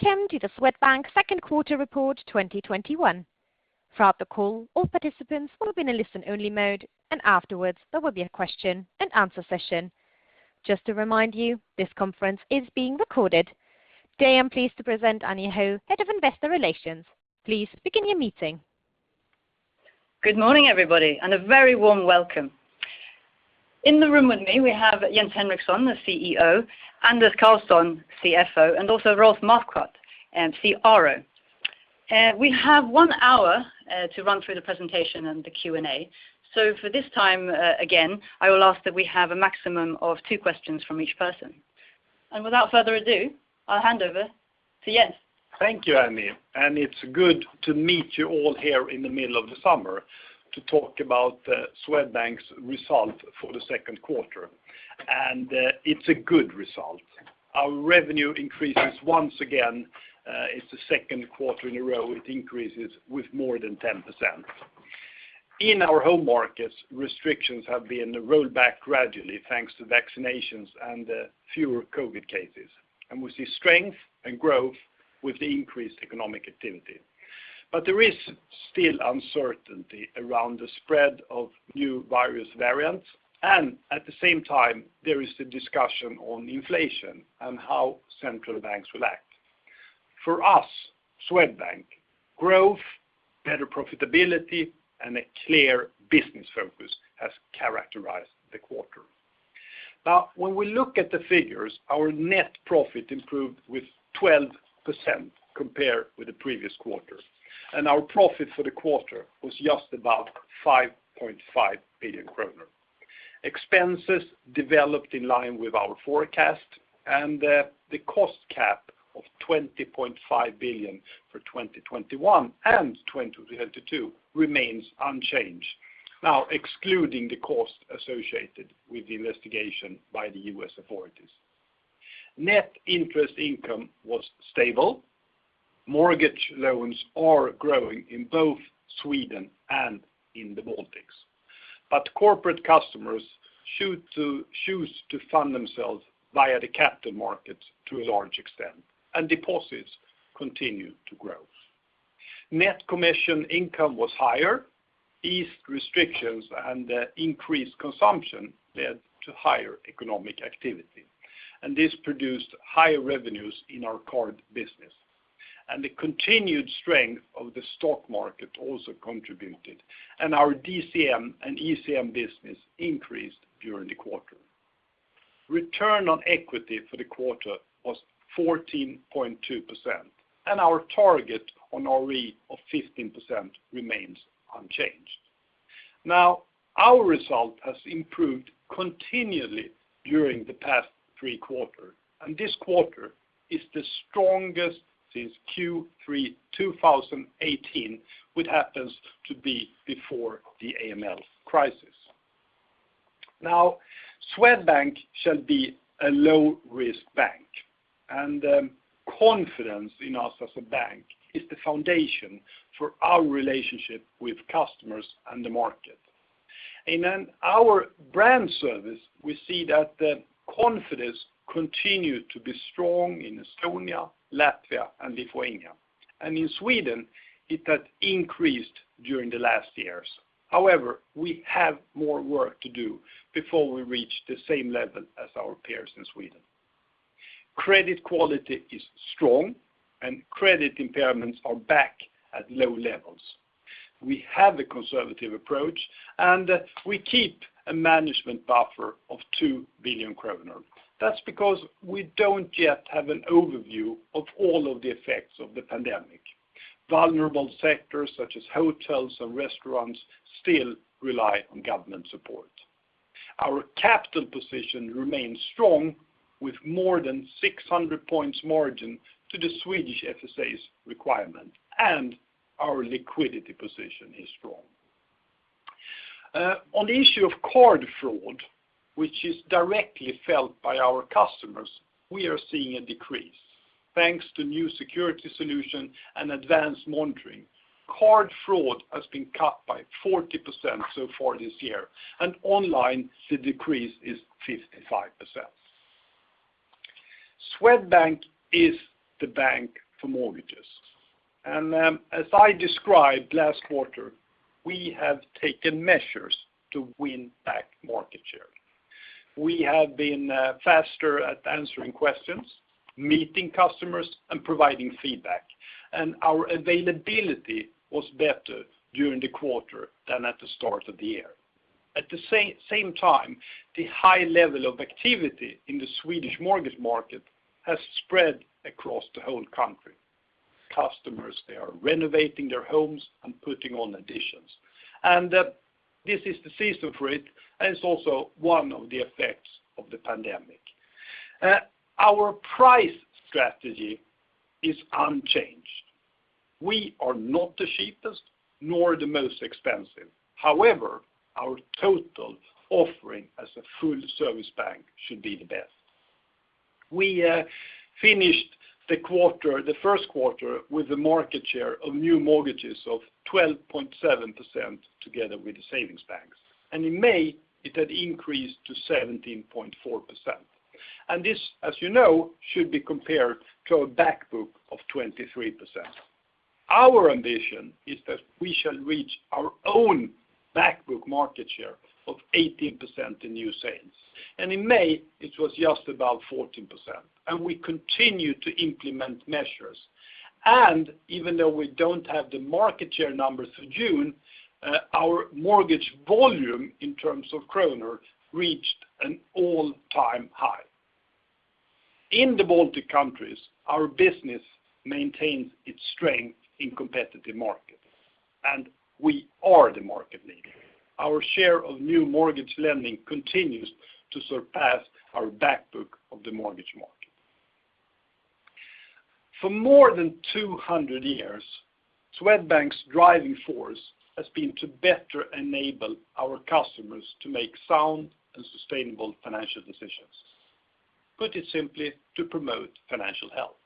Welcome to the Swedbank second quarter report 2021. Throughout the call, all participants will be in a listen-only mode, and afterwards, there will be a question-and-answer session. Just to remind you, this conference is being recorded. Today, I'm pleased to present Annie Ho, Head of Investor Relations. Please begin your meeting. Good morning, everybody, and a very warm welcome. In the room with me, we have Jens Henriksson, the CEO, Anders Karlsson, CFO, and also Rolf Marquardt, CRO. We have one hour to run through the presentation and the Q&A. For this time, again, I will ask that we have a maximum of two questions from each person. Without further ado, I'll hand over to Jens. Thank you, Annie. It's good to meet you all here in the middle of the summer to talk about Swedbank's result for the second quarter. It's a good result. Our revenue increases once again. It's the second quarter in a row it increases with more than 10%. In our home markets, restrictions have been rolled back gradually thanks to vaccinations and fewer COVID cases. We see strength and growth with the increased economic activity. There is still uncertainty around the spread of new virus variants, and at the same time, there is the discussion on inflation and how central banks will act. For us, Swedbank, growth, better profitability, and a clear business focus has characterized the quarter. When we look at the figures, our net profit improved with 12% compared with the previous quarter, and our profit for the quarter was just about 5.5 billion kronor. Expenses developed in line with our forecast and the cost cap of 20.5 billion for 2021 and 2022 remains unchanged. Excluding the cost associated with the investigation by the U.S. authorities. Net interest income was stable. Mortgage loans are growing in both Sweden and in the Baltics. Corporate customers choose to fund themselves via the capital markets to a large extent, and deposits continue to grow. Net commission income was higher. Eased restrictions and increased consumption led to higher economic activity, and this produced higher revenues in our card business. The continued strength of the stock market also contributed, and our DCM and ECM business increased during the quarter. Return on equity for the quarter was 14.2%, and our target on ROE of 15% remains unchanged. Our result has improved continually during the past three quarters, and this quarter is the strongest since Q3 2018, which happens to be before the AML crisis. Swedbank shall be a low-risk bank, and confidence in us as a bank is the foundation for our relationship with customers and the market. In our brand service, we see that the confidence continued to be strong in Estonia, Latvia, and Lithuania, and in Sweden it has increased during the last years. However, we have more work to do before we reach the same level as our peers in Sweden. Credit quality is strong and credit impairments are back at low levels. We have a conservative approach, and we keep a management buffer of 2 billion kronor. That's because we don't yet have an overview of all of the effects of the pandemic. Vulnerable sectors such as hotels and restaurants still rely on government support. Our capital position remains strong with more than 600 points margin to the Swedish FSA's requirement, and our liquidity position is strong. On the issue of card fraud, which is directly felt by our customers, we are seeing a decrease. Thanks to new security solution and advanced monitoring, card fraud has been cut by 40% so far this year, and online the decrease is 55%. Swedbank is the bank for mortgages. As I described last quarter, we have taken measures to win back market share. We have been faster at answering questions, meeting customers, and providing feedback, and our availability was better during the quarter than at the start of the year. At the same time, the high level of activity in the Swedish mortgage market has spread across the whole country. Customers, they are renovating their homes and putting on additions. This is the season for it, and it's also one of the effects of the pandemic. Our price strategy is unchanged. We are not the cheapest nor the most expensive. However, our total offering as a full-service bank should be the best. We finished the first quarter with the market share of new mortgages of 12.7% together with the savings banks. In May, it had increased to 17.4%. This, as you know, should be compared to a back book of 23%. Our ambition is that we shall reach our own back book market share of 18% in new sales. In May, it was just about 14%, and we continue to implement measures. Even though we don't have the market share numbers for June, our mortgage volume in terms of kronor reached an all-time high. In the Baltic countries, our business maintains its strength in competitive markets, and we are the market leader. Our share of new mortgage lending continues to surpass our back book of the mortgage market. For more than 200 years, Swedbank's driving force has been to better enable our customers to make sound and sustainable financial decisions. Put it simply, to promote financial health.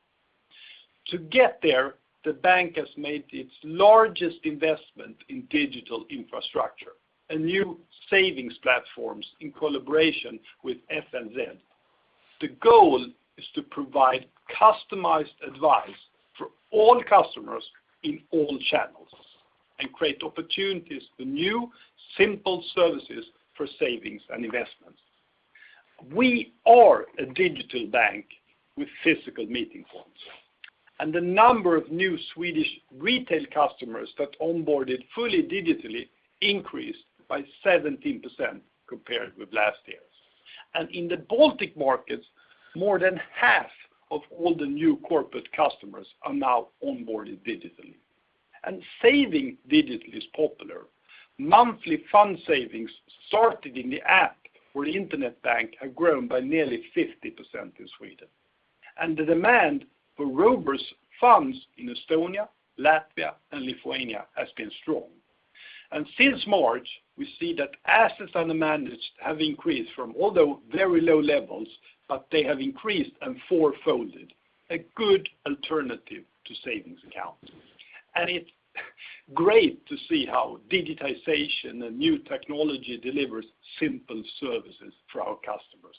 To get there, the bank has made its largest investment in digital infrastructure and new savings platforms in collaboration with FNZ. The goal is to provide customized advice for all customers in all channels and create opportunities for new, simple services for savings and investments. We are a digital bank with physical meeting forms, and the number of new Swedish retail customers that onboarded fully digitally increased by 17% compared with last year's. In the Baltic markets, more than half of all the new corporate customers are now onboarded digitally. Saving digitally is popular. Monthly fund savings sorted in the app for internet bank have grown by nearly 50% in Sweden. The demand for Robur's funds in Estonia, Latvia, and Lithuania has been strong. Since March, we see that assets under managed have increased from, although very low levels, but they have increased and four-folded, a good alternative to savings accounts. It's great to see how digitization and new technology delivers simple services for our customers.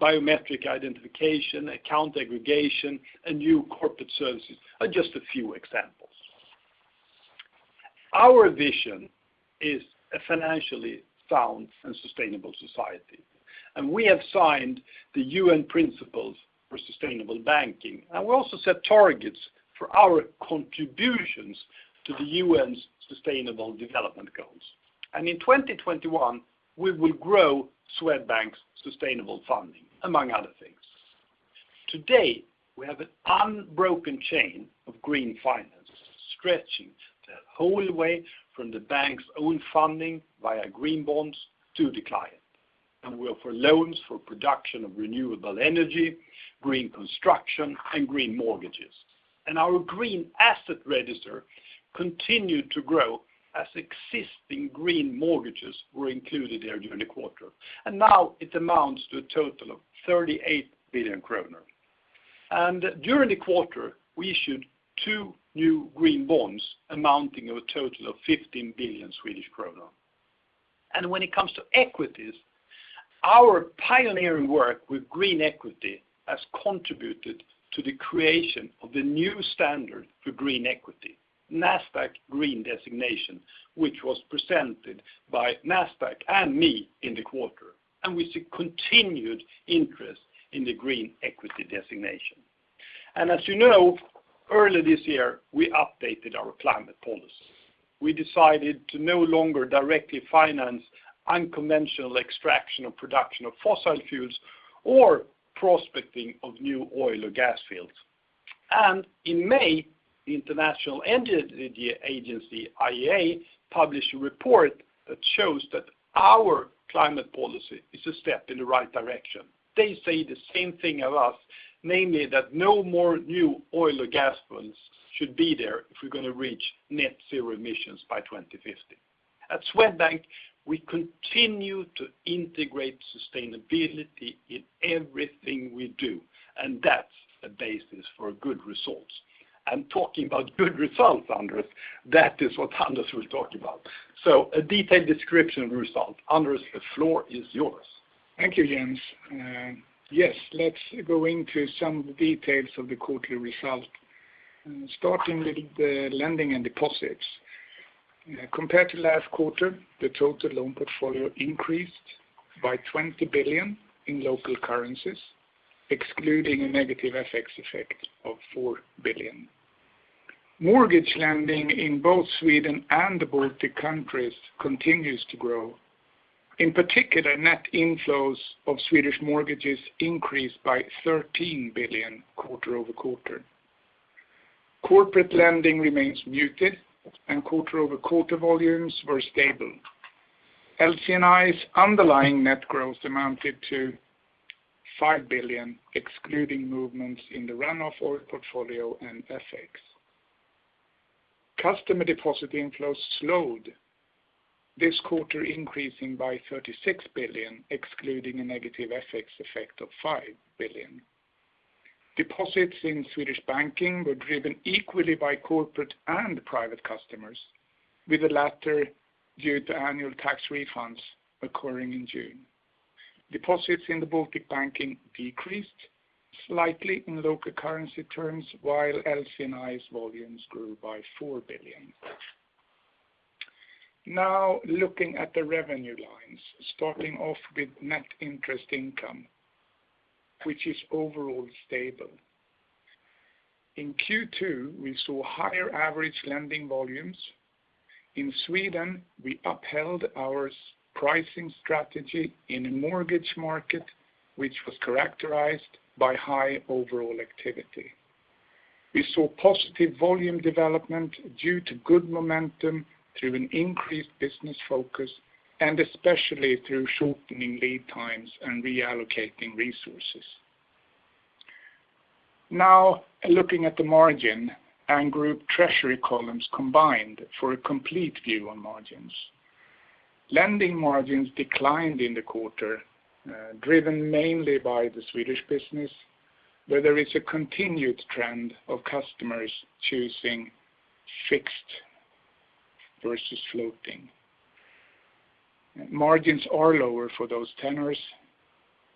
Biometric identification, account aggregation, and new corporate services are just a few examples. Our vision is a financially sound and sustainable society, and we have signed the UN Principles for Responsible Banking, and we also set targets for our contributions to the UN's sustainable development goals. In 2021, we will grow Swedbank's sustainable funding, among other things. Today, we have an unbroken chain of green finance stretching the whole way from the bank's own funding via green bonds to the client, and we offer loans for production of renewable energy, green construction, and green mortgages. Our Green Asset Register continued to grow as existing green mortgages were included there during the quarter. Now it amounts to a total of 38 billion kronor. During the quarter, we issued 2 new green bonds amounting of a total of 15 billion Swedish kronor. When it comes to equities, our pioneering work with green equity has contributed to the creation of the new standard for green equity, Green Equity Designation, which was presented by Nasdaq and me in the quarter, and we see continued interest in the Green Equity Designation. As you know, earlier this year, we updated our climate policy. We decided to no longer directly finance unconventional extraction, production of fossil fuels or prospecting of new oil or gas fields. In May, the International Energy Agency, IEA, published a report that shows that our climate policy is a step in the right direction. They say the same thing of us, namely that no more new oil or gas fields should be there if we're going to reach net zero emissions by 2050. At Swedbank, we continue to integrate sustainability in everything we do, that's a basis for good results. Talking about good results, Anders, that is what Anders will talk about. A detailed description of results. Anders, the floor is yours. Thank you, Jens. Let's go into some details of the quarterly results, starting with the lending and deposits. Compared to last quarter, the total loan portfolio increased by 20 billion in local currencies, excluding a negative FX effect of 4 billion. Mortgage lending in both Sweden and the Baltic countries continues to grow. In particular, net inflows of Swedish mortgages increased by 13 billion quarter-over-quarter. Corporate lending remains muted and quarter-over-quarter volumes were stable. LC&I's underlying net growth amounted to 5 billion, excluding movements in the run-off oil portfolio and FX. Customer deposit inflows slowed this quarter, increasing by 36 billion, excluding a negative FX effect of 5 billion. Deposits in Swedish banking were driven equally by corporate and private customers, with the latter due to annual tax refunds occurring in June. Deposits in the Baltic banking decreased slightly in local currency terms while LC&I's volumes grew by SEK 4 billion. Looking at the revenue lines, starting off with net interest income, which is overall stable. In Q2, we saw higher average lending volumes. In Sweden, we upheld our pricing strategy in a mortgage market, which was characterized by high overall activity. We saw positive volume development due to good momentum through an increased business focus and especially through shortening lead times and reallocating resources. Looking at the margin and group treasury columns combined for a complete view on margins. Lending margins declined in the quarter, driven mainly by the Swedish business, where there is a continued trend of customers choosing fixed versus floating. Margins are lower for those tenors,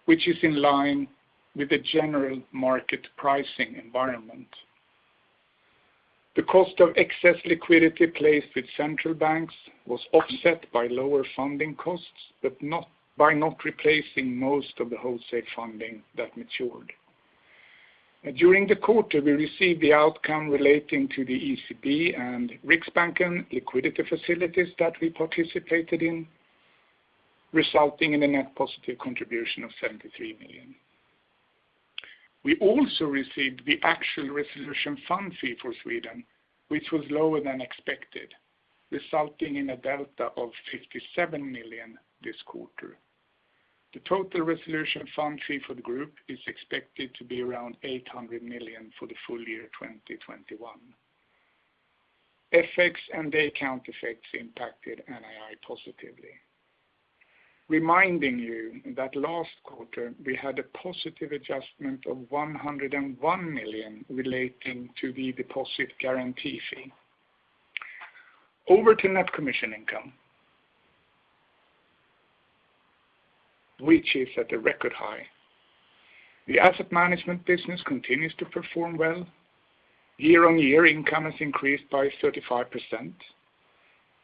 which is in line with the general market pricing environment. The cost of excess liquidity placed with central banks was offset by lower funding costs by not replacing most of the wholesale funding that matured. During the quarter, we received the outcome relating to the ECB and Riksbanken liquidity facilities that we participated in, resulting in a net positive contribution of 73 million. We also received the actual resolution fund fee for Sweden, which was lower than expected, resulting in a delta of 57 million this quarter. The total resolution fund fee for the group is expected to be around 800 million for the full year 2021. FX and day count effects impacted NII positively. Reminding you that last quarter we had a positive adjustment of 101 million relating to the deposit guarantee fee. Over to net commission income, which is at a record high. The asset management business continues to perform well. Year-on-year income has increased by 35%.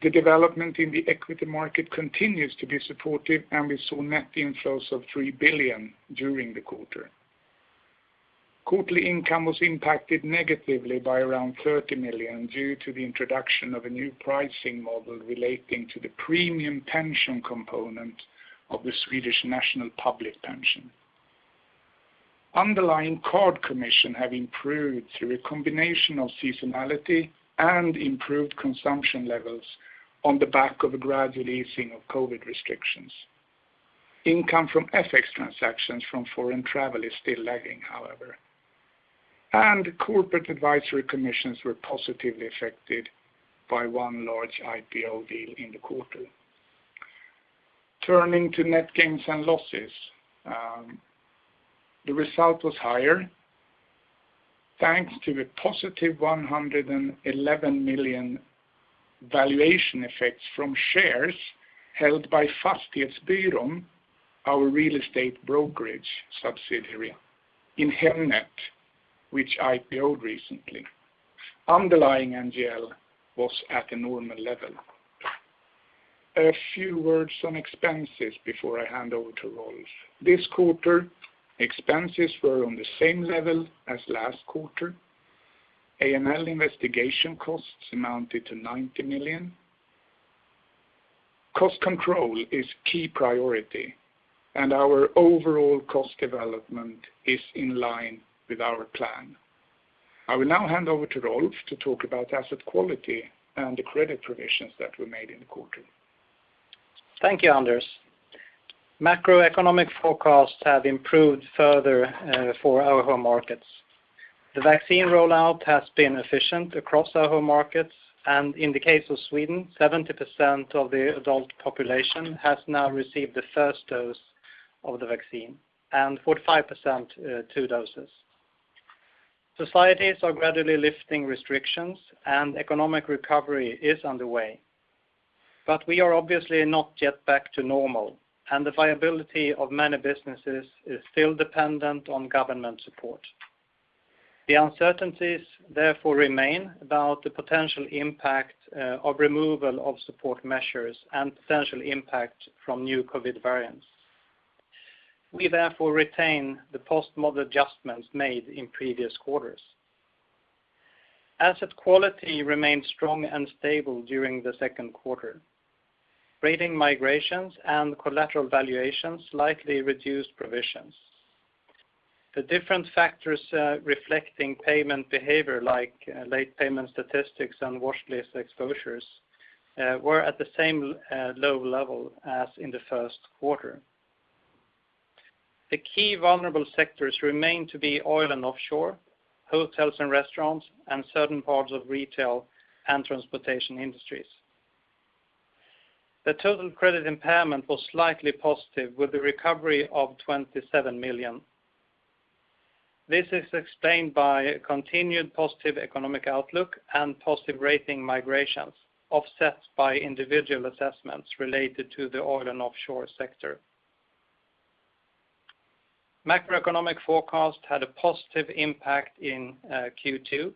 The development in the equity market continues to be supportive. We saw net inflows of 3 billion during the quarter. Quarterly income was impacted negatively by around 30 million due to the introduction of a new pricing model relating to the premium pension component of the Swedish national public pension. Underlying card commission have improved through a combination of seasonality and improved consumption levels on the back of a gradual easing of COVID restrictions. Income from FX transactions from foreign travel is still lagging, however. Corporate advisory commissions were positively affected by one large IPO deal in the quarter. Turning to net gains and losses. The result was higher thanks to a positive 111 million valuation effects from shares held by Fastighetsbyrån, our real estate brokerage subsidiary in Hemnet, which IPO'd recently. Underlying NGL was at a normal level. A few words on expenses before I hand over to Rolf. This quarter, expenses were on the same level as last quarter. AML investigation costs amounted to 90 million. Cost control is key priority. Our overall cost development is in line with our plan. I will now hand over to Rolf to talk about asset quality and the credit provisions that we made in the quarter. Thank you, Anders. Macroeconomic forecasts have improved further for our home markets. The vaccine rollout has been efficient across our home markets, and in the case of Sweden, 70% of the adult population has now received the first dose of the vaccine, and 45% two doses. Societies are gradually lifting restrictions and economic recovery is underway. We are obviously not yet back to normal, and the viability of many businesses is still dependent on government support. The uncertainties therefore remain about the potential impact of removal of support measures and potential impact from new COVID variants. We therefore retain the post-model adjustments made in previous quarters. Asset quality remained strong and stable during the second quarter. Rating migrations and collateral valuations slightly reduced provisions. The different factors reflecting payment behavior like late payment statistics and watchlist exposures were at the same low level as in the first quarter. The key vulnerable sectors remain to be oil and offshore, hotels and restaurants, and certain parts of retail and transportation industries. The total credit impairment was slightly positive with the recovery of 27 million. This is explained by continued positive economic outlook and positive rating migrations, offset by individual assessments related to the oil and offshore sector. Macroeconomic forecast had a positive impact in Q2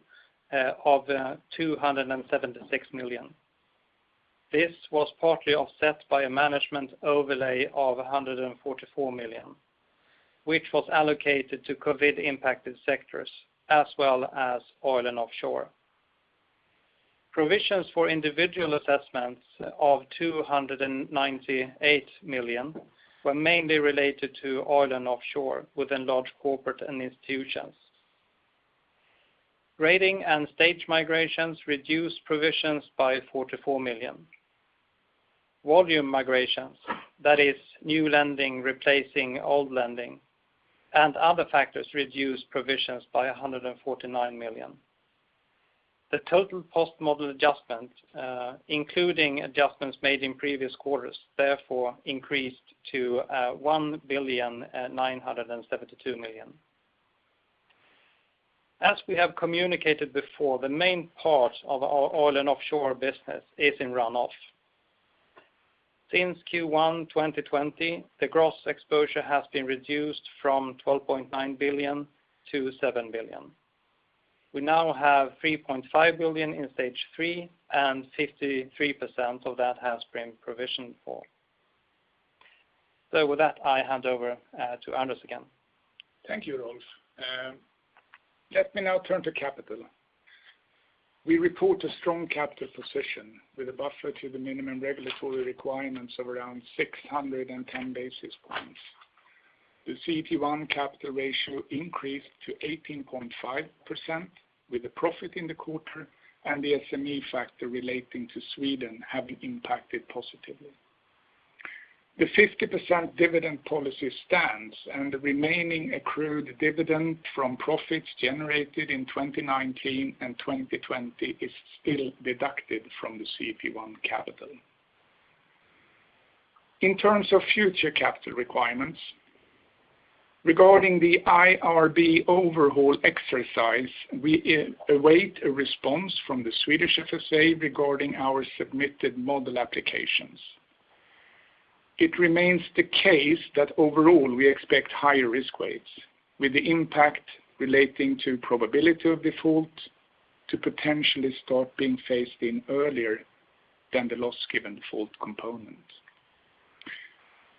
of 276 million. This was partly offset by a management overlay of 144 million, which was allocated to COVID-impacted sectors as well as oil and offshore. Provisions for individual assessments of 298 million were mainly related to oil and offshore within large corporate and institutions. Rating and stage migrations reduced provisions by 44 million. Volume migrations, that is new lending replacing old lending, and other factors reduced provisions by 149 million. The total post-model adjustment, including adjustments made in previous quarters, increased to 1,972 million. As we have communicated before, the main part of our oil and offshore business is in run-off. Since Q1 2020, the gross exposure has been reduced from 12.9 billion to 7 billion. We now have 3.5 billion in stage 3, and 53% of that has been provisioned for. With that, I hand over to Anders again. Thank you, Rolf. Let me now turn to capital. We report a strong capital position with a buffer to the minimum regulatory requirements of around 610 basis points. The CET1 capital ratio increased to 18.5% with a profit in the quarter and the SME factor relating to Sweden have impacted positively. The 50% dividend policy stands and the remaining accrued dividend from profits generated in 2019 and 2020 is still deducted from the CET1 capital. In terms of future capital requirements, regarding the IRB overhaul exercise, we await a response from the Swedish FSA regarding our submitted model applications. It remains the case that overall, we expect higher risk weights with the impact relating to probability of default to potentially start being phased in earlier than the loss given default component.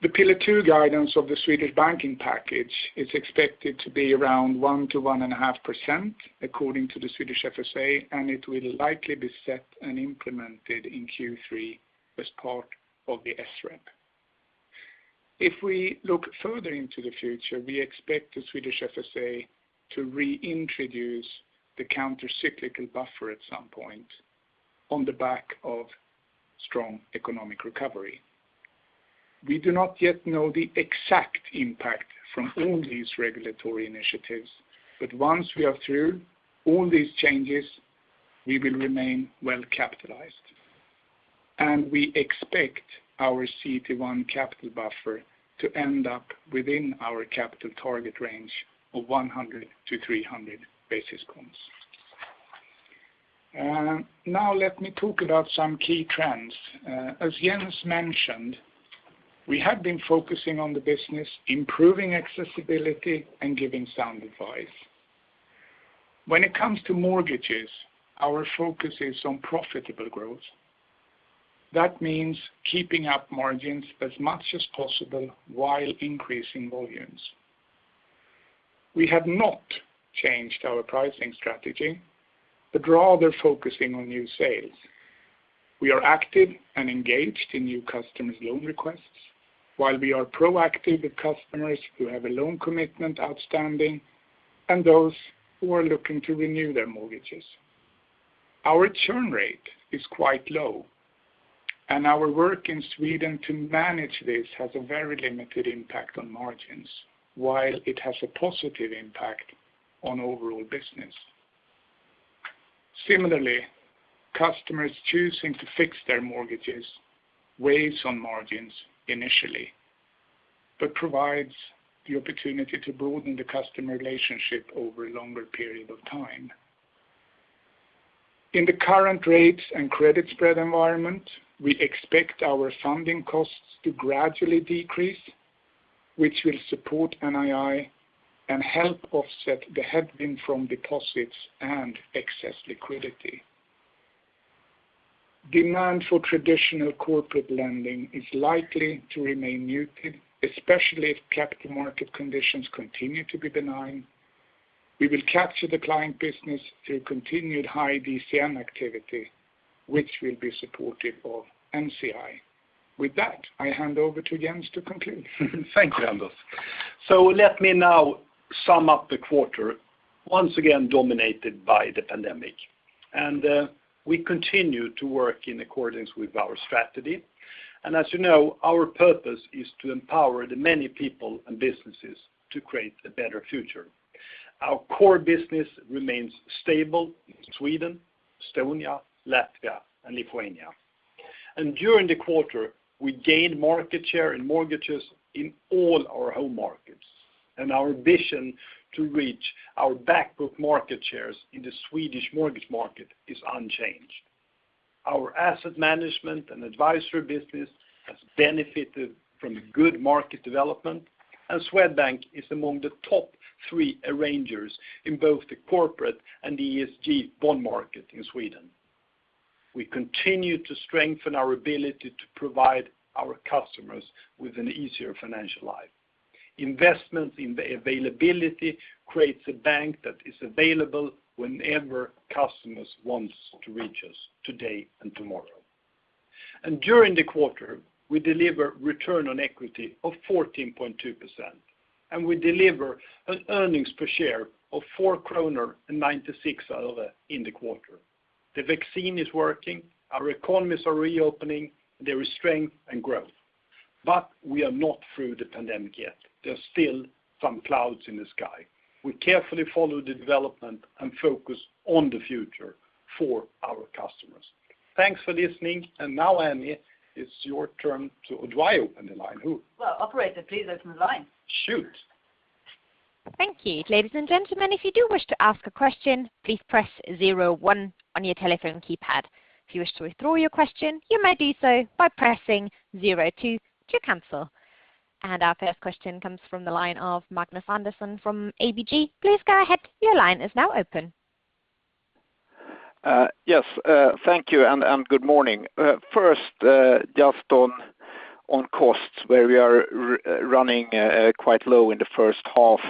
The Pillar 2 guidance of the Swedish banking package is expected to be around 1%-1.5%, according to the Swedish FSA, and it will likely be set and implemented in Q3 as part of the SREP. If we look further into the future, we expect the Swedish FSA to reintroduce the countercyclical buffer at some point on the back of strong economic recovery. We do not yet know the exact impact from all these regulatory initiatives, but once we are through all these changes, we will remain well capitalized, and we expect our CET1 capital buffer to end up within our capital target range of 100-300 basis points. Let me talk about some key trends. As Jens mentioned, we have been focusing on the business, improving accessibility and giving sound advice. When it comes to mortgages, our focus is on profitable growth. That means keeping up margins as much as possible while increasing volumes. We have not changed our pricing strategy, but rather focusing on new sales. We are active and engaged in new customers' loan requests while we are proactive with customers who have a loan commitment outstanding and those who are looking to renew their mortgages. Our churn rate is quite low, and our work in Sweden to manage this has a very limited impact on margins while it has a positive impact on overall business. Similarly, customers choosing to fix their mortgages weighs on margins initially, but provides the opportunity to broaden the customer relationship over a longer period of time. In the current rates and credit spread environment, we expect our funding costs to gradually decrease, which will support NII and help offset the headwind from deposits and excess liquidity. Demand for traditional corporate lending is likely to remain muted, especially if capital market conditions continue to be benign. We will capture the client business through continued high DCM activity, which will be supportive of NCI. With that, I hand over to Jens to conclude. Thank you, Anders. Let me now sum up the quarter, once again dominated by the pandemic. We continue to work in accordance with our strategy. As you know, our purpose is to empower the many people and businesses to create a better future. Our core business remains stable in Sweden, Estonia, Latvia, and Lithuania. During the quarter, we gained market share and mortgages in all our home markets. Our ambition to reach our back book market shares in the Swedish mortgage market is unchanged. Our asset management and advisory business has benefited from good market development, and Swedbank is among the top three arrangers in both the corporate and the ESG bond market in Sweden. We continue to strengthen our ability to provide our customers with an easier financial life. Investments in the availability creates a bank that is available whenever customers want to reach us today and tomorrow. During the quarter, we deliver return on equity of 14.2%, and we deliver an earnings per share of 4.96 kronor in the quarter. The vaccine is working, our economies are reopening, there is strength and growth. We are not through the pandemic yet. There are still some clouds in the sky. We carefully follow the development and focus on the future for our customers. Thanks for listening. Now, Annie, do I open the line, who? Well, operator, please open the line. Shoot. Thank you, ladies and gentlemen if you do wish to ask question, please press zero one on your telephone keypad and if you wish to withdraw your question, you may do so by pressing zero two to cancel. Our first question comes from the line of Magnus Andersson from ABG. Yes. Thank you, good morning. First, just on costs, where we are running quite low in the first half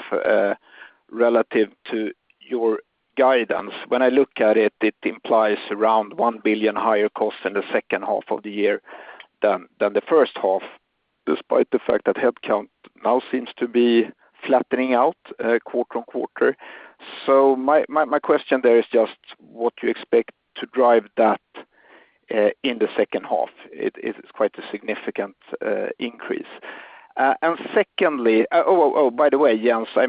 relative to your guidance. When I look at it implies around 1 billion higher cost in the second half of the year than the first half, despite the fact that headcount now seems to be flattening out quarter on quarter. My question there is just what you expect to drive that in the second half. It is quite a significant increase. Oh, by the way, Jens, I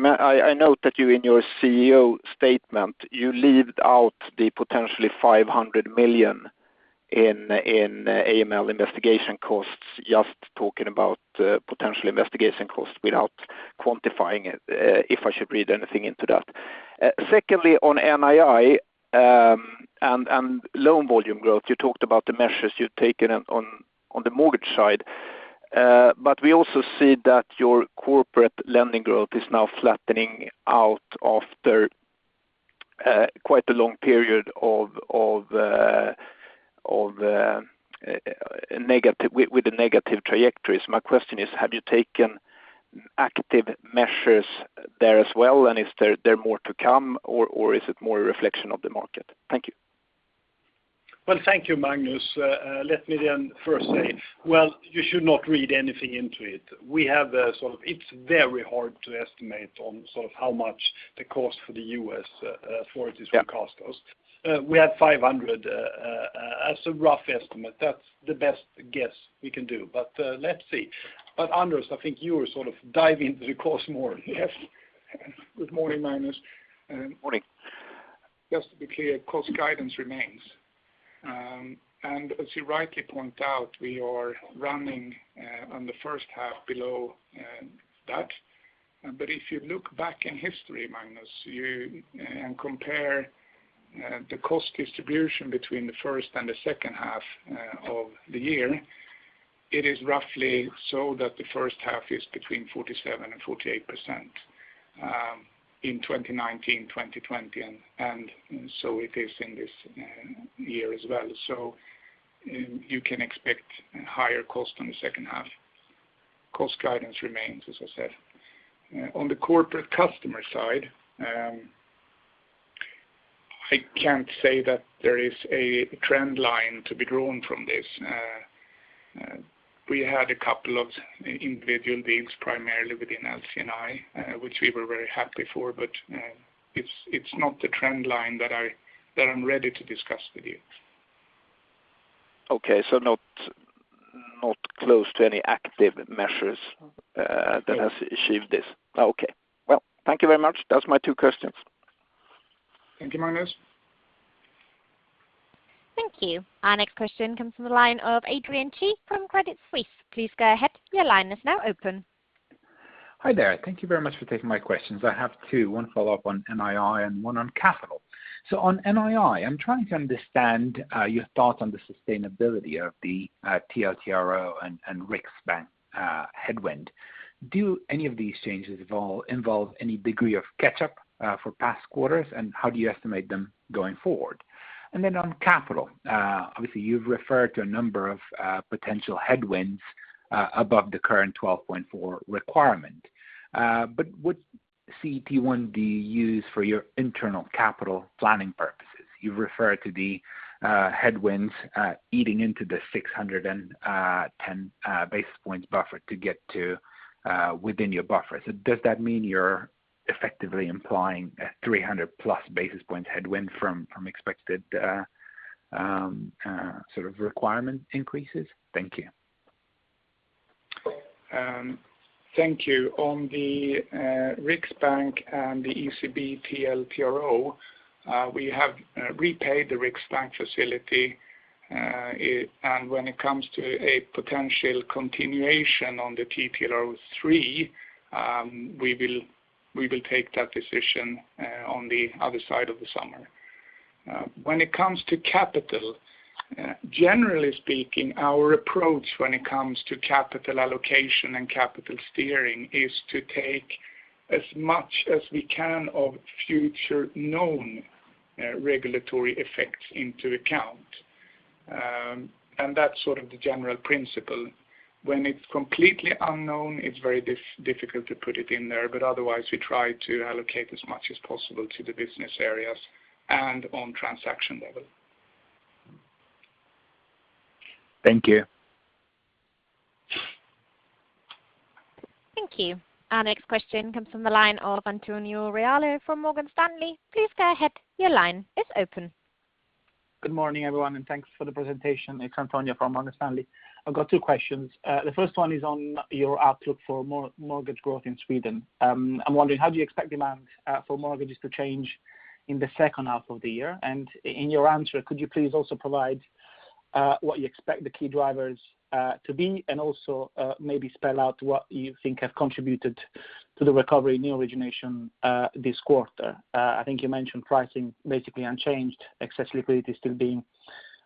note that you in your CEO statement, you left out the potentially 500 million in AML investigation costs, just talking about potential investigation costs without quantifying it, if I should read anything into that. Secondly, on NII and loan volume growth, you talked about the measures you've taken on the mortgage side. We also see that your corporate lending growth is now flattening out after quite a long period with the negative trajectories. My question is, have you taken active measures there as well, and is there more to come, or is it more a reflection of the market? Thank you. Well, thank you, Magnus. Let me first say, well, you should not read anything into it. It's very hard to estimate on how much the cost for the U.S. authorities will cost us. We have 500 as a rough estimate. That's the best guess we can do. Let's see. Anders, I think you are diving into the cost more. Yes. Good morning, Magnus. Morning. Just to be clear, cost guidance remains. As you rightly point out, we are running on the first half below that. If you look back in history, Magnus, and compare the cost distribution between the first and the second half of the year, it is roughly so that the first half is between 47% and 48% in 2019, 2020, and so it is in this year as well. You can expect higher cost on the second half. Cost guidance remains, as I said. On the corporate customer side, I can't say that there is a trend line to be drawn from this. We had a couple of individual deals primarily within LC&I, which we were very happy for, but it's not the trend line that I'm ready to discuss with you. Okay. Not close to any active measures- No that has achieved this. Okay. Well, thank you very much. That was my two questions. Thank you, Magnus. Thank you. Our next question comes from the line of Adrian Cighi from Credit Suisse. Please go ahead, your line is now open. Hi there. Thank you very much for taking my questions. I have two, one follow-up on NII and one on capital. On NII, I'm trying to understand your thoughts on the sustainability of the TLTRO and Riksbank headwind. Do any of these changes involve any degree of catch-up for past quarters, and how do you estimate them going forward? On capital, obviously you've referred to a number of potential headwinds above the current 12.4 requirement. What CET1 do you use for your internal capital planning purposes? You refer to the headwinds eating into the 610 basis points buffer to get to within your buffer. Does that mean you're effectively implying a 300+ basis point headwind from expected requirement increases? Thank you. Thank you. On the Riksbank and the ECB TLTRO, we have repaid the Riksbank facility. When it comes to a potential continuation on the TLTRO III, we will take that decision on the other side of the summer. When it comes to capital, generally speaking, our approach when it comes to capital allocation and capital steering is to take as much as we can of future known regulatory effects into account. That's the general principle. When it's completely unknown, it's very difficult to put it in there, but otherwise we try to allocate as much as possible to the business areas and on transaction level. Thank you. Thank you. Our next question comes from the line of Antonio Reale from Morgan Stanley. Good morning, everyone. Thanks for the presentation. It's Antonio from Morgan Stanley. I've got 2 questions. The first one is on your outlook for mortgage growth in Sweden. I'm wondering, how do you expect demand for mortgages to change in the second half of the year? In your answer, could you please also provide what you expect the key drivers to be and also maybe spell out what you think have contributed to the recovery in the origination this quarter? I think you mentioned pricing basically unchanged, excess liquidity still being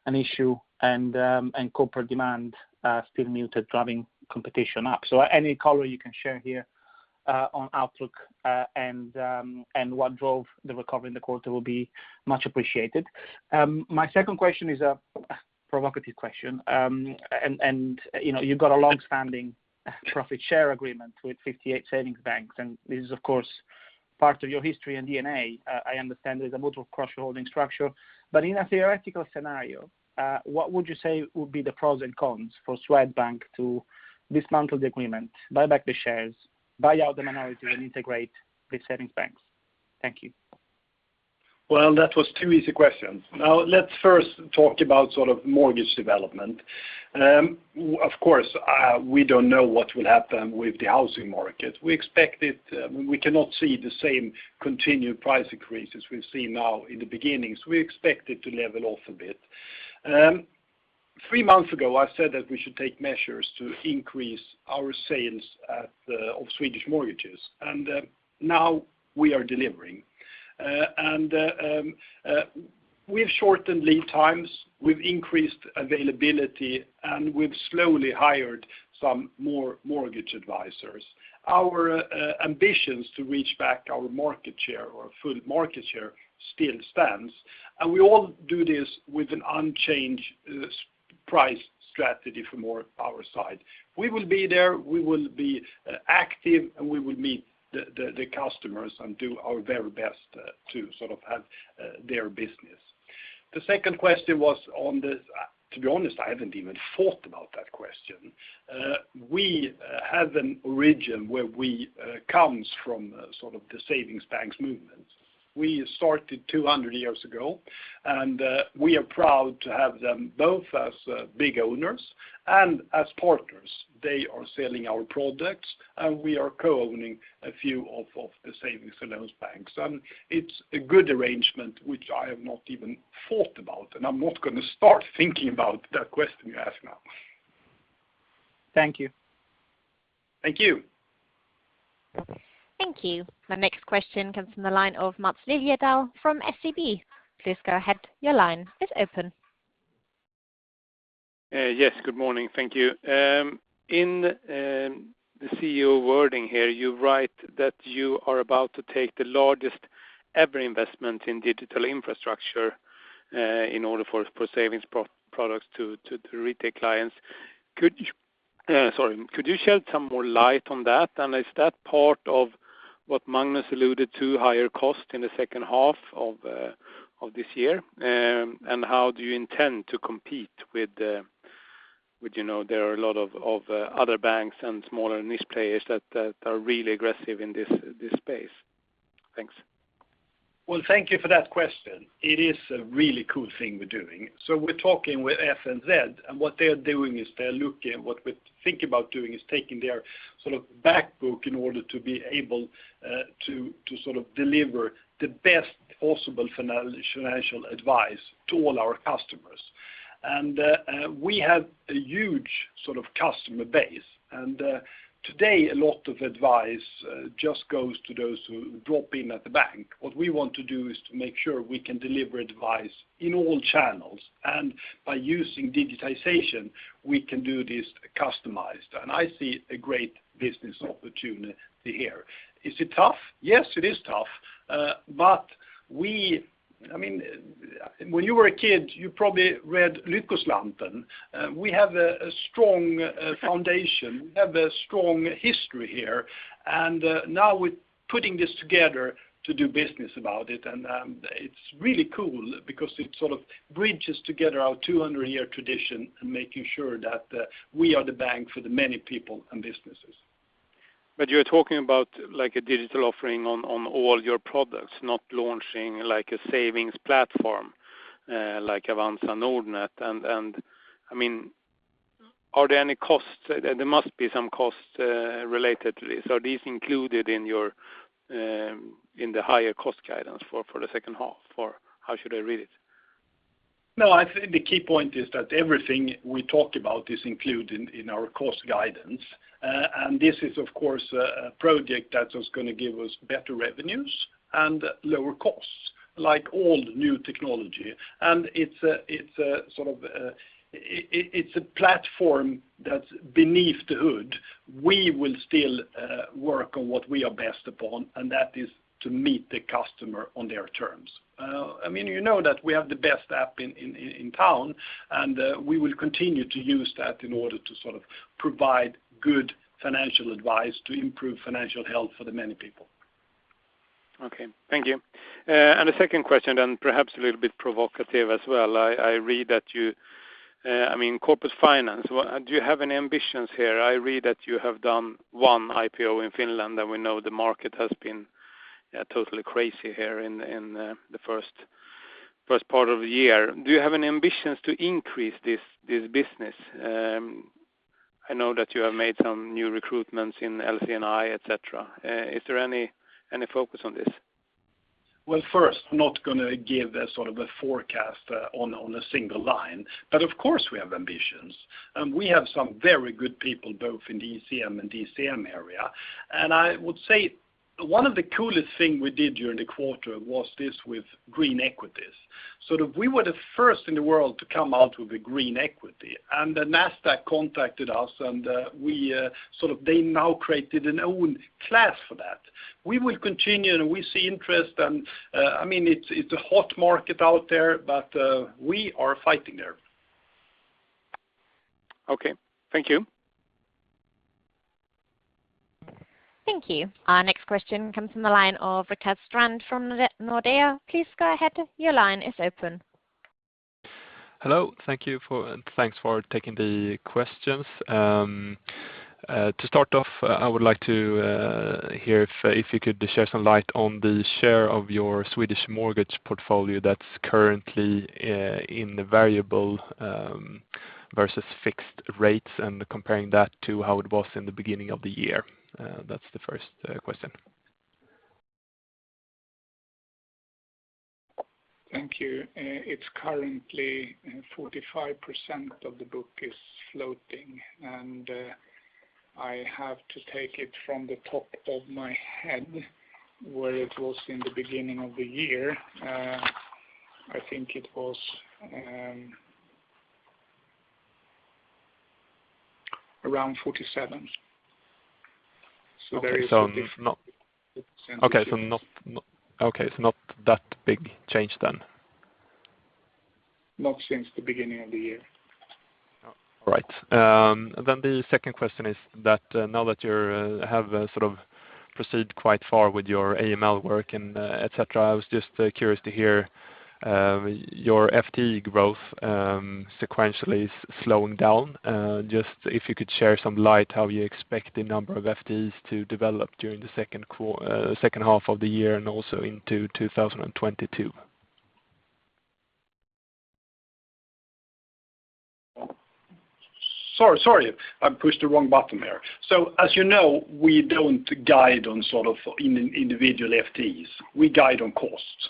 an issue, and corporate demand still muted, driving competition up. Any color you can share here on outlook and what drove the recovery in the quarter will be much appreciated. My second question is a provocative question. You've got a long-standing profit share agreement with 58 savings banks, and this is, of course, part of your history and DNA. I understand there's a mutual cross-holding structure. In a theoretical scenario, what would you say would be the pros and cons for Swedbank to dismantle the agreement, buy back the shares, buy out the minority, and integrate the savings banks? Thank you. Well, that was two easy questions. Let's first talk about mortgage development. Of course, we don't know what will happen with the housing market. We cannot see the same continued price increases we've seen now in the beginnings. We expect it to level off a bit. Three months ago, I said that we should take measures to increase our sales of Swedish mortgages, and now we are delivering. We've shortened lead times, we've increased availability, and we've slowly hired some more mortgage advisors. Our ambitions to reach back our market share or full market share still stands, and we all do this with unchanged price strategy from our side. We will be there, we will be active, and we will meet the customers and do our very best to have their business. To be honest, I haven't even thought about that question. We have an origin where we come from the savings banks movement. We started 200 years ago, and we are proud to have them both as big owners and as partners. They are selling our products, and we are co-owning a few of the savings and loans banks. It's a good arrangement which I have not even thought about, and I'm not going to start thinking about that question you asked now. Thank you. Thank you. Thank you. My next question comes from the line of Maths Liljedahl from SEB. Please go ahead. Your line is open. Yes, good morning. Thank you. In the CEO wording here, you write that you are about to take the largest ever investment in digital infrastructure in order for savings products to retail clients. Could you shed some more light on that? Is that part of what Magnus alluded to, higher cost in the second half of this year? How do you intend to compete with, there are a lot of other banks and smaller niche players that are really aggressive in this space. Thanks. Well, thank you for that question. It is a really cool thing we're doing. We're talking with FNZ, and what they're doing is they're looking at what we're thinking about doing is taking their back book in order to be able to deliver the best possible financial advice to all our customers. We have a huge customer base. Today, a lot of advice just goes to those who drop in at the bank. What we want to do is to make sure we can deliver advice in all channels. By using digitization, we can do this customized. I see a great business opportunity here. Is it tough? Yes, it is tough. When you were a kid, you probably read "Lyckoslanten." We have a strong foundation, we have a strong history here, and now we're putting this together to do business about it. It's really cool because it bridges together our 200-year tradition and making sure that we are the bank for the many people and businesses. You're talking about a digital offering on all your products, not launching a savings platform like Avanza and Nordnet. Are there any costs? There must be some costs related to this. Are these included in the higher cost guidance for the second half, or how should I read it? I think the key point is that everything we talk about is included in our cost guidance. This is, of course, a project that is going to give us better revenues and lower costs, like all new technology. It's a platform that's beneath the hood. We will still work on what we are best upon, and that is to meet the customer on their terms. You know that we have the best app in town, and we will continue to use that in order to provide good financial advice to improve financial health for the many people. Okay, thank you. The second question, perhaps a little bit provocative as well. Corporate Finance, do you have any ambitions here? I read that you have done one IPO in Finland. We know the market has been totally crazy here in the first part of the year. Do you have any ambitions to increase this business? I know that you have made some new recruitments in LC&I, et cetera. Is there any focus on this? First, I'm not going to give a forecast on a single line, but of course, we have ambitions. We have some very good people, both in the ECM and DCM area. I would say one of the coolest thing we did during the quarter was this with green equities. We were the first in the world to come out with a green equity, and then NASDAQ contacted us, and they now created their own class for that. We will continue, and we see interest, and it's a hot market out there, but we are fighting there. Okay. Thank you. Thank you. Our next question comes from the line of Rickard Strand from Nordea. Please go ahead. Hello. Thanks for taking the questions. To start off, I would like to hear if you could share some light on the share of your Swedish mortgage portfolio that's currently in the variable versus fixed rates and comparing that to how it was in the beginning of the year. That's the first question. Thank you. It's currently 45% of the book is floating, and I have to take it from the top of my head where it was in the beginning of the year. I think it was around 47%. There is a difference of 2%. Okay, not that big change then. Not since the beginning of the year. All right. The second question is that now that you have proceeded quite far with your AML work and et cetera, I was just curious to hear your FTE growth sequentially is slowing down. If you could share some light how you expect the number of FTEs to develop during the second half of the year and also into 2022. I pushed the wrong button there. As you know, we don't guide on individual FTEs. We guide on costs.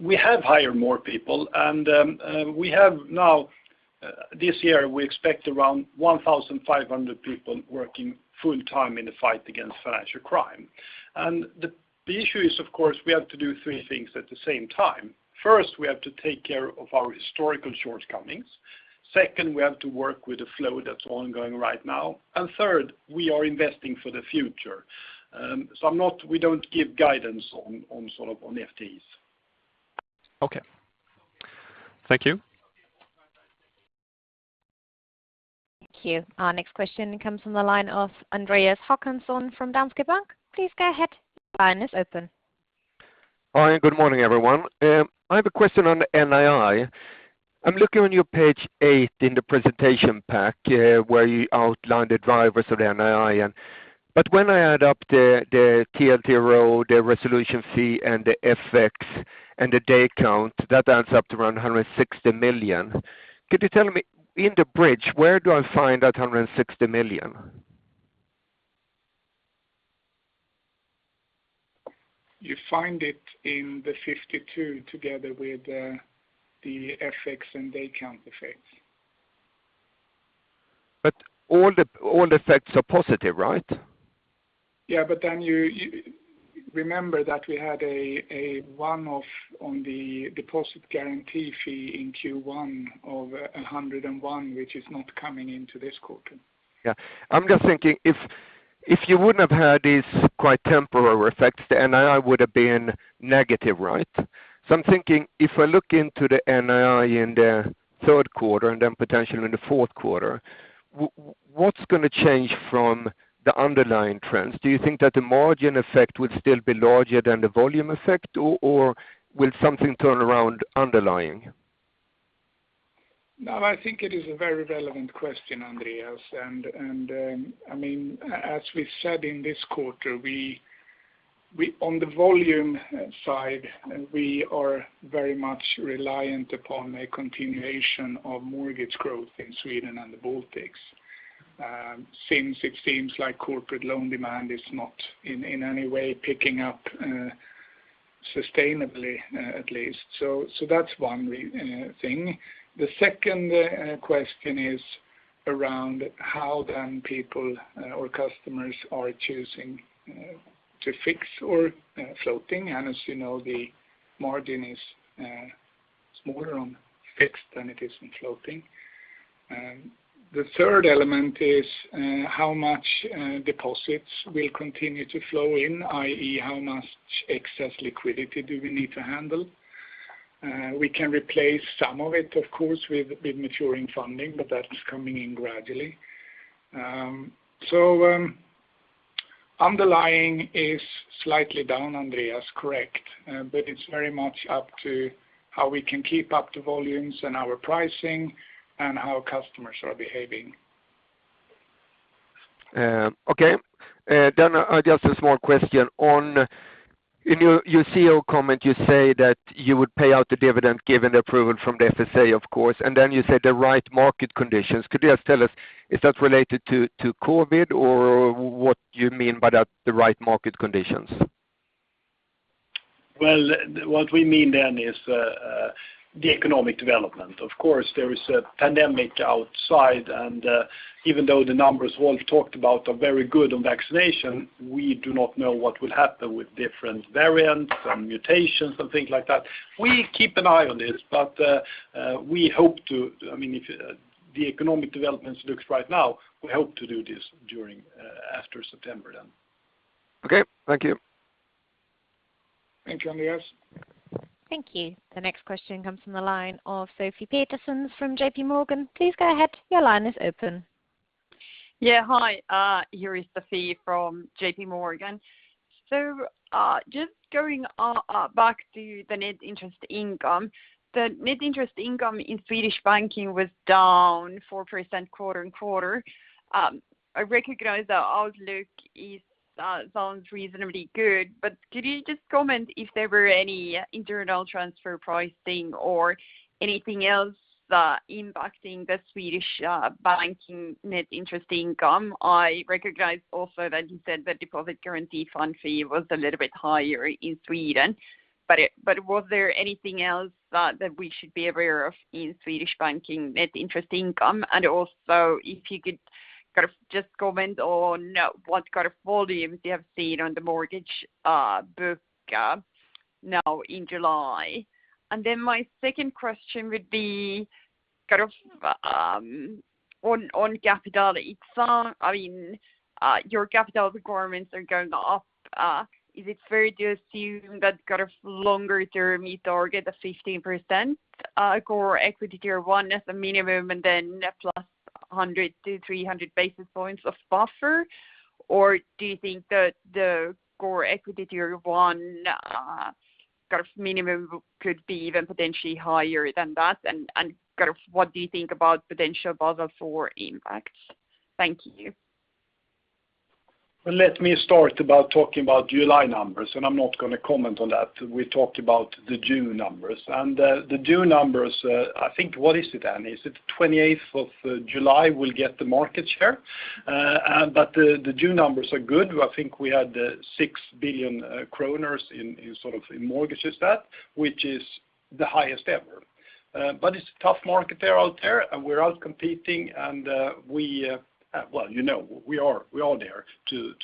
We have hired more people, and we have now, this year, we expect around 1,500 people working full-time in the fight against financial crime. The issue is, of course, we have to do three things at the same time. First, we have to take care of our historical shortcomings. Second, we have to work with the flow that's ongoing right now. Third, we are investing for the future. We don't give guidance on FTEs. Okay. Thank you. Thank you. Our next question comes from the line of Andreas Håkansson from Danske Bank. Please go ahead. Your line is open. Hi, good morning, everyone. I have a question on NII. I'm looking on your page eight in the presentation pack where you outline the drivers of the NII. When I add up the TLTRO, the resolution fee, and the FX, and the day count, that adds up to around 160 million. Could you tell me, in the bridge, where do I find that 160 million? You find it in the 52 together with the FX and day count effects. All effects are positive, right? Yeah, remember that we had a one-off on the deposit guarantee fee in Q1 of 101, which is not coming into this quarter. Yeah. I'm just thinking, if you wouldn't have had these quite temporary effects, the NII would have been negative, right? I'm thinking if I look into the NII in the third quarter and then potentially in the fourth quarter, what's going to change from the underlying trends? Do you think that the margin effect would still be larger than the volume effect, or will something turn around underlying? No, I think it is a very relevant question, Andreas. As we said in this quarter, on the volume side, we are very much reliant upon a continuation of mortgage growth in Sweden and the Baltics. Since it seems like corporate loan demand is not in any way picking up sustainably, at least. That's one thing. The second question is around how then people or customers are choosing to fix or floating. As you know, the margin is smaller on fixed than it is in floating. The third element is how much deposits will continue to flow in, i.e., how much excess liquidity do we need to handle? We can replace some of it, of course, with maturing funding, but that is coming in gradually. Underlying is slightly down, Andreas. Correct. It's very much up to how we can keep up the volumes and our pricing and how customers are behaving. Just a small question. In your CEO comment, you say that you would pay out the dividend given the approval from the FSA, of course, and then you said the right market conditions. Could you just tell us, is that related to COVID or what do you mean by that, the right market conditions? Well, what we mean then is the economic development. Of course, there is a pandemic outside, and even though the numbers Rolf talked about are very good on vaccination, we do not know what will happen with different variants and mutations and things like that. We keep an eye on this, but we hope to, if the economic developments looks right now, we hope to do this during after September then. Okay. Thank you. Thank you, Andreas. Thank you. The next question comes from the line of Sofie Peterzens from JPMorgan. Please go ahead. Your line is open. Hi, here is Sophie from JPMorgan. Just going back to the net interest income. The net interest income in Swedish banking was down 4% quarter-on-quarter. I recognize the outlook sounds reasonably good, but could you just comment if there were any internal transfer pricing or anything else impacting the Swedish banking net interest income? I recognize also that you said the deposit guarantee fund fee was a little bit higher in Sweden, but was there anything else that we should be aware of in Swedish banking net interest income? Also if you could just comment on what kind of volumes you have seen on the mortgage book now in July. My second question would be on capital. Your capital requirements are going up. Is it fair to assume that longer-term you target the 15% Core Equity Tier 1 as a minimum, and then net +100 to 300 basis points of buffer? Do you think that the Core Equity Tier 1 minimum could be even potentially higher than that? What do you think about potential Basel IV impact? Thank you. Well, let me start about talking about July numbers, and I am not going to comment on that. We talked about the June numbers. The June numbers, I think, what is it, Annie? Is it 28th of July we'll get the market share? The June numbers are good. I think we had 6 billion kronor in mortgages, which is the highest ever. It's a tough market out there, and we're out competing and we are there to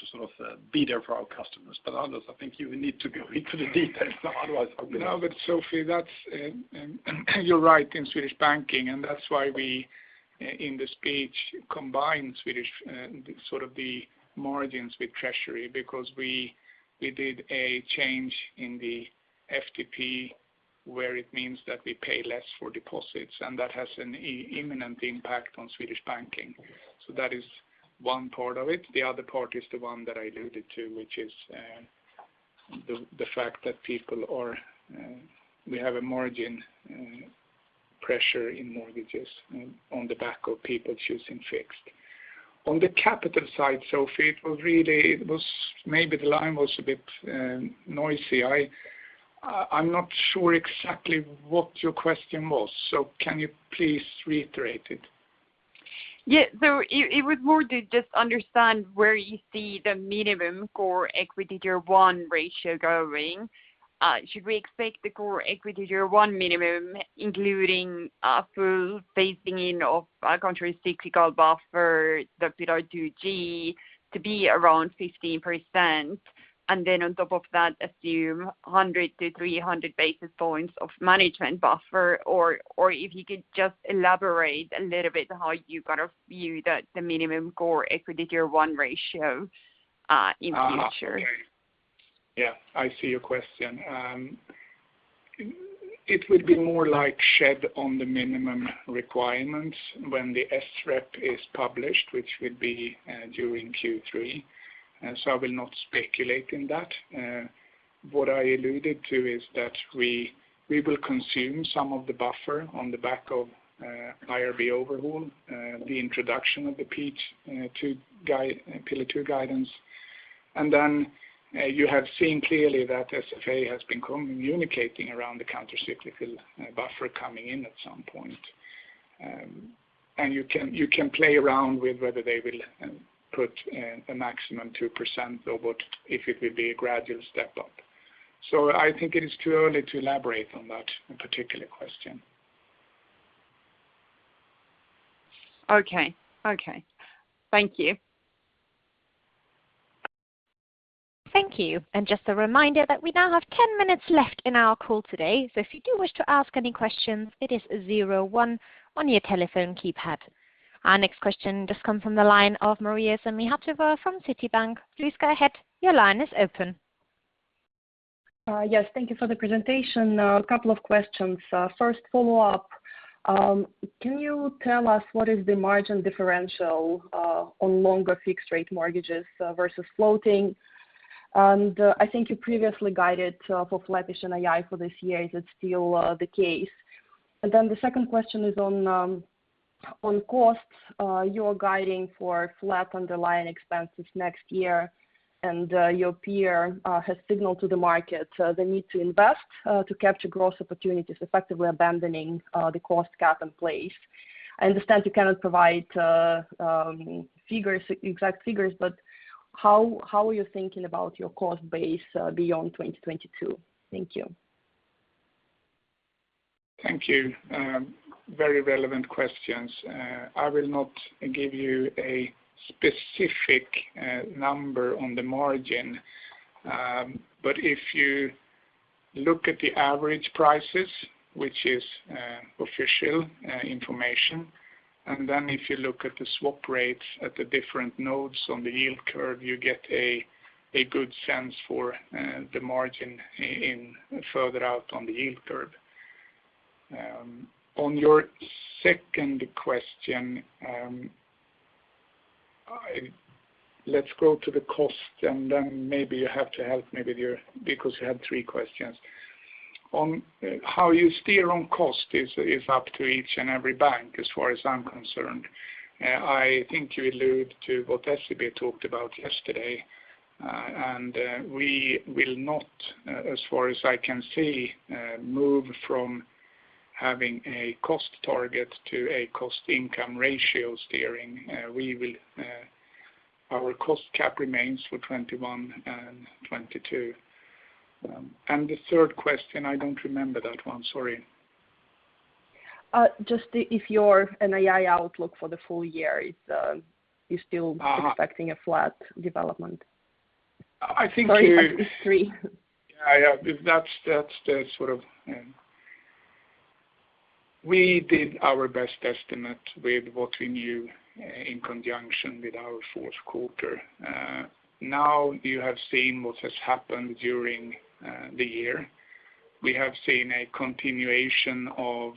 be there for our customers. Anders, I think you need to go into the details, otherwise. No, but Sophie, you're right in Swedish banking, and that's why we, in the speech, combine Swedish margins with Treasury because we did a change in the FTP where it means that we pay less for deposits, and that has an imminent impact on Swedish banking. That is one part of it. The other part is the one that I alluded to, which is the fact that we have a margin pressure in mortgages on the back of people choosing fixed. On the capital side, Sophie, maybe the line was a bit noisy. I'm not sure exactly what your question was, so can you please reiterate it? It was more to just understand where you see the minimum Core Equity Tier 1 ratio going. Should we expect the Core Equity Tier 1 minimum, including a full phasing in of countercyclical buffer, the P2G, to be around 15%? On top of that, assume 100-300 basis points of management buffer? If you could just elaborate a little bit how you view the minimum Core Equity Tier 1 ratio in the future. Yeah, I see your question. It would be more shed on the minimum requirements when the SREP is published, which would be during Q3. I will not speculate on that. What I alluded to is that we will consume some of the buffer on the back of IRB overhaul, the introduction of the P2G Pillar 2 guidance. You have seen clearly that FSA has been communicating around the countercyclical buffer coming in at some point. You can play around with whether they will put a maximum 2% or if it will be a gradual step-up. I think it is too early to elaborate on that particular question. Okay. Thank you. Thank you. Just a reminder that we now have 10 minutes left in our call today. If you do wish to ask any questions, it is zero one on your telephone keypad. Our next question just come from the line of Maria Semikhatova from Citi. Please go ahead. Your line is open. Yes, thank you for the presentation. A couple of questions. First follow-up. Can you tell us what is the margin differential on longer fixed-rate mortgages versus floating? I think you previously guided for flattish NII for this year. Is it still the case? The second question is on costs. You're guiding for flat underlying expenses next year, and your peer has signaled to the market the need to invest to capture growth opportunities, effectively abandoning the cost cap in place. I understand you cannot provide exact figures, but how are you thinking about your cost base beyond 2022? Thank you. Thank you. Very relevant questions. I will not give you a specific number on the margin. If you look at the average prices, which is official information, and then if you look at the swap rates at the different nodes on the yield curve, you get a good sense for the margin in further out on the yield curve. On your second question, let's go to the cost and then maybe you have to help me with your, because you had three questions. On how you steer on cost is up to each and every bank, as far as I'm concerned. I think you allude to what SEB talked about yesterday, and we will not, as far as I can see, move from having a cost target to a cost-income ratio steering. Our cost cap remains for 2021 and 2022. The third question, I don't remember that one. Sorry. Just if your NII outlook for the full year, you're still expecting a flat development. I think you- Sorry, that was three. Yeah. We did our best estimate with what we knew in conjunction with our fourth quarter. You have seen what has happened during the year. We have seen a continuation of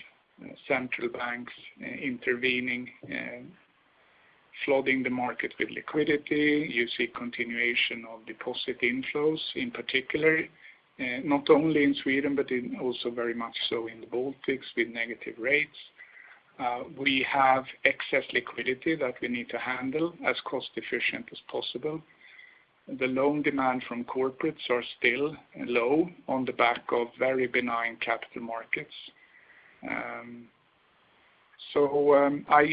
central banks intervening, flooding the market with liquidity. You see continuation of deposit inflows in particular, not only in Sweden, but in also very much so in the Baltics with negative rates. We have excess liquidity that we need to handle as cost efficient as possible. The loan demand from corporates are still low on the back of very benign capital markets. I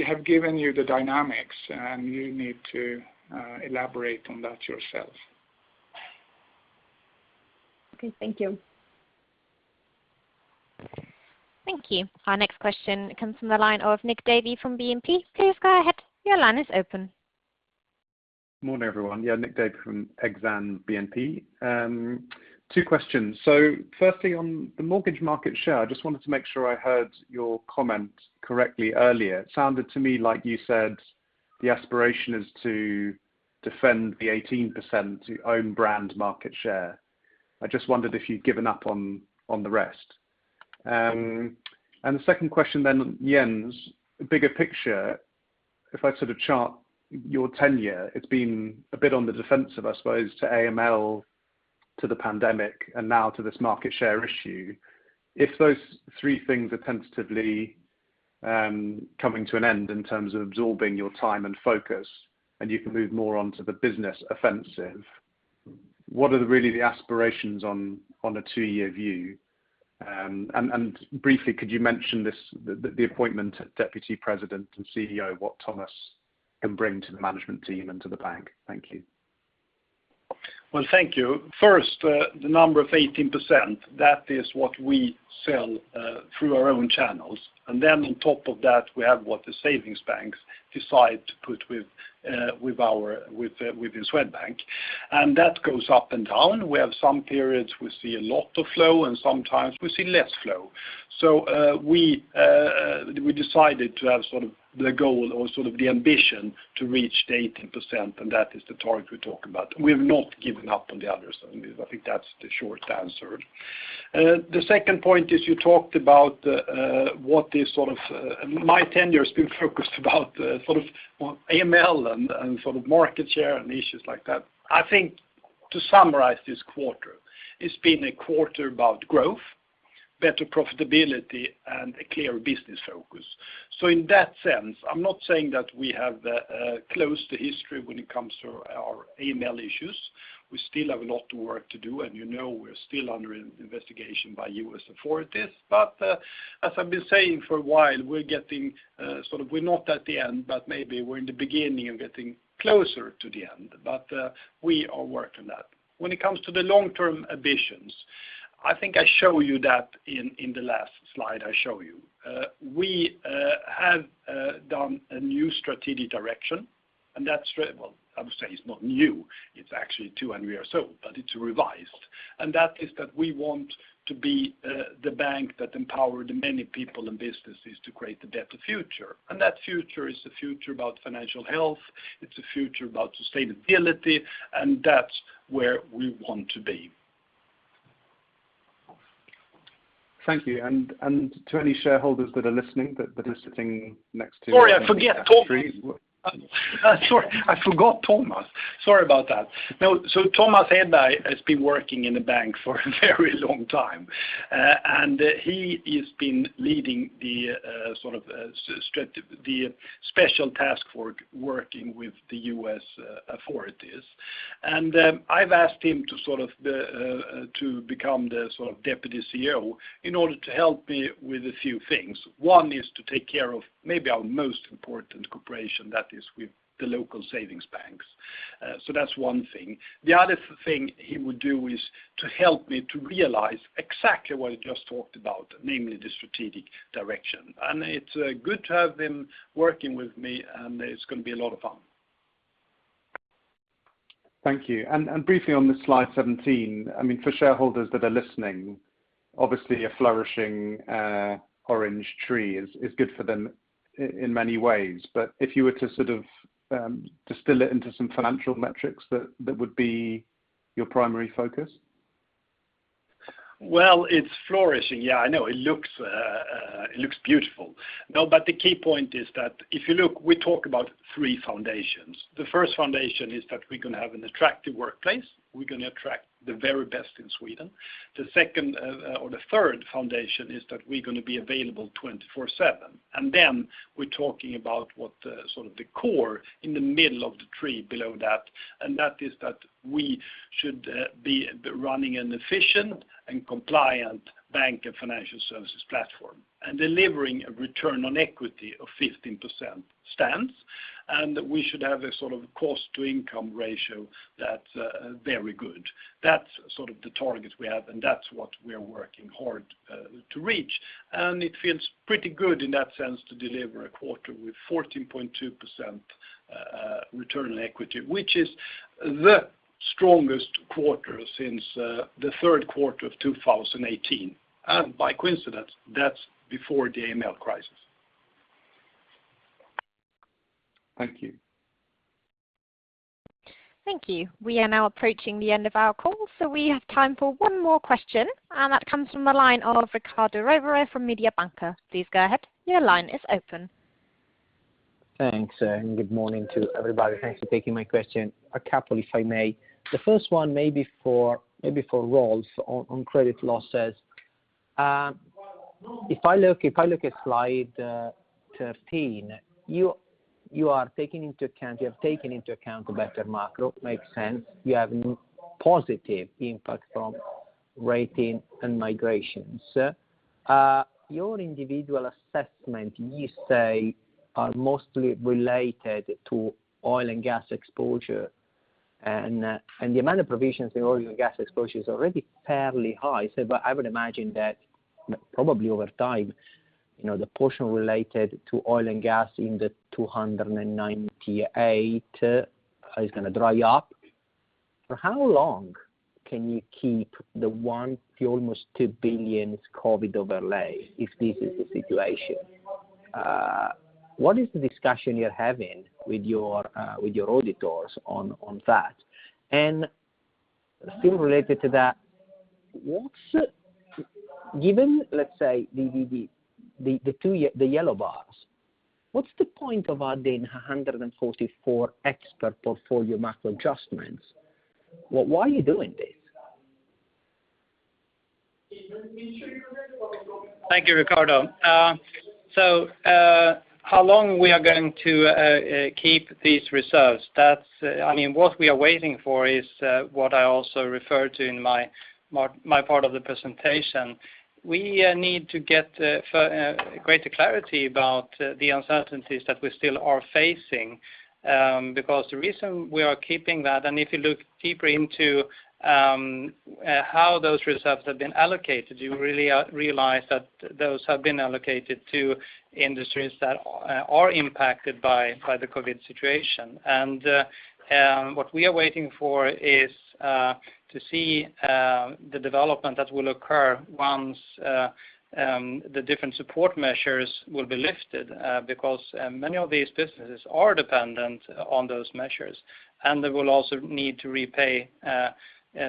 have given you the dynamics, and you need to elaborate on that yourself. Okay. Thank you. Thank you. Our next question comes from the line of Nick Davey from BNP. Please go ahead. Morning, everyone. Yeah, Nick Davey from Exane BNP. Two questions. Firstly, on the mortgage market share, I just wanted to make sure I heard your comment correctly earlier. It sounded to me like you said the aspiration is to defend the 18% own brand market share. I just wondered if you'd given up on the rest. The second question then, Jens, bigger picture. If I chart your tenure, it's been a bit on the defensive, I suppose, to AML, to the pandemic, and now to this market share issue. If those three things are tentatively coming to an end in terms of absorbing your time and focus, and you can move more on to the business offensive, what are really the aspirations on a two-year view? Briefly, could you mention the appointment of Deputy President and CEO, what Tomas can bring to the management team and to the bank? Thank you. Well, thank you. First, the number of 18%, that is what we sell through our own channels. Then on top of that, we have what the savings banks decide to put within Swedbank, and that goes up and down. We have some periods we see a lot of flow and sometimes we see less flow. We decided to have the goal or the ambition to reach the 18%, and that is the target we talk about. We've not given up on the others. I think that's the short answer. The second point is you talked about what my tenure has been focused about, sort of AML and market share and issues like that. I think to summarize this quarter, it's been a quarter about growth, better profitability, and a clear business focus. In that sense, I'm not saying that we have closed the history when it comes to our AML issues. We still have a lot of work to do, and you know we're still under investigation by U.S. authorities. As I've been saying for a while, we're not at the end, but maybe we're in the beginning of getting closer to the end. We are working that. When it comes to the long-term ambitions, I think I show you that in the last slide I show you. We have done a new strategic direction, and that's right. Well, I would say it's not new. It's actually two years old, but it's revised, and that is that we want to be the bank that empower the many people and businesses to create a better future. That future is the future about financial health. It's the future about sustainability, and that's where we want to be. Thank you. To any shareholders that are listening. Sorry, I forget Tomas. Sorry, I forgot Tomas. Sorry about that. Tomas Hedberg has been working in the bank for a very long time. He has been leading the special task force working with the U.S. authorities. I've asked him to become the Deputy CEO in order to help me with a few things. One is to take care of maybe our most important cooperation, that is with the local savings banks. That's one thing. The other thing he would do is to help me to realize exactly what I just talked about, namely the strategic direction. It's good to have him working with me, and it's going to be a lot of fun. Thank you. Briefly on the slide 17, for shareholders that are listening, obviously a flourishing orange tree is good for them in many ways. If you were to distill it into some financial metrics, that would be your primary focus? Well, it's flourishing. Yeah, I know. It looks beautiful. The key point is that if you look, we talk about three foundations. The first foundation is that we're going to have an attractive workplace. We're going to attract the very best in Sweden. The third foundation is that we're going to be available 24/7. Then we're talking about what the core in the middle of the tree below that, and that is that we should be running an efficient and compliant bank and financial services platform. Delivering a return on equity of 15% stands, and we should have a cost-to-income ratio that's very good. That's the target we have, and that's what we are working hard to reach. It feels pretty good in that sense to deliver a quarter with 14.2% return on equity, which is the strongest quarter since the third quarter of 2018. By coincidence, that's before the AML crisis. Thank you. Thank you. We are now approaching the end of our call, so we have time for one more question, and that comes from the line of Riccardo Rovere from Mediobanca. Please go ahead. Your line is open. Thanks, and good morning to everybody. Thanks for taking my question. A couple, if I may. The first one, maybe for Rolf on credit losses. If I look at slide 13, you have taken into account the better macro, makes sense. You have positive impact from rating and migrations. Your individual assessment, you say, are mostly related to oil and gas exposure, and the amount of provisions in oil and gas exposure is already fairly high. I would imagine that probably over time, the portion related to oil and gas in the 298 is going to dry up. For how long can you keep the SEK 1 billion to almost 2 billion COVID overlay if this is the situation? What is the discussion you're having with your auditors on that? Still related to that, given, let's say, the yellow bars, what's the point of adding 144 extra portfolio macro adjustments? Why are you doing this? Thank you, Riccardo. How long we are going to keep these reserves? What we are waiting for is what I also referred to in my part of the presentation. We need to get greater clarity about the uncertainties that we still are facing. The reason we are keeping that, and if you look deeper into how those reserves have been allocated, you really realize that those have been allocated to industries that are impacted by the COVID situation. What we are waiting for is to see the development that will occur once the different support measures will be lifted. Many of these businesses are dependent on those measures, and they will also need to repay,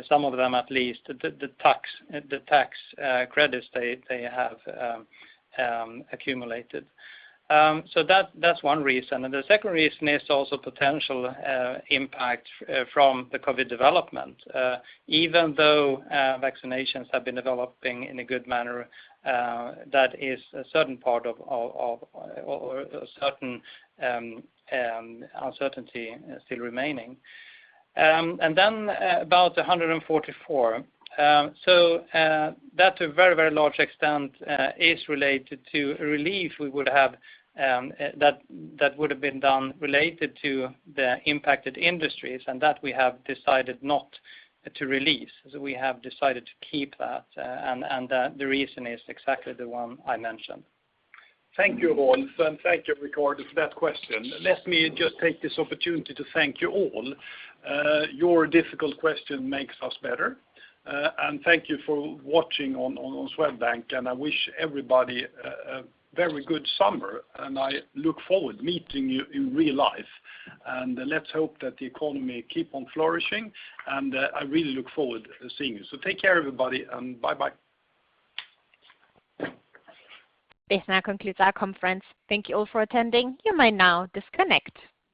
some of them at least, the tax credits they have accumulated. That's one reason. The second reason is also potential impact from the COVID development. Even though vaccinations have been developing in a good manner, that is a certain uncertainty still remaining. About 144. That to a very, very large extent is related to relief that would have been done related to the impacted industries, and that we have decided not to release. We have decided to keep that, and the reason is exactly the one I mentioned. Thank you, Rolf, and thank you, Riccardo, for that question. Let me just take this opportunity to thank you all. Your difficult question makes us better. Thank you for watching on Swedbank, and I wish everybody a very good summer, and I look forward meeting you in real life. Let's hope that the economy keep on flourishing, and I really look forward seeing you. Take care, everybody, and bye-bye. This now concludes our conference. Thank you all for attending. You may now disconnect.